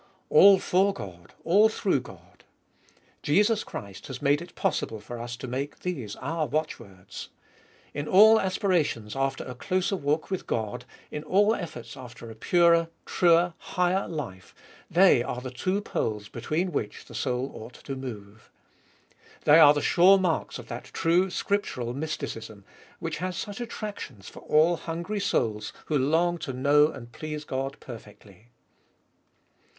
"All for God," "All through God." Jesus Christ has made it possible for us to make these our watchwords. In all aspira tions after a closer walk with God, in all efforts after a purer, truer, higher life, they are the two poles between which the soul ought to move. They are the sure marks of that true scriptural mysticism, which has such attractions for all hungry souls, who long to know and please God perfectly.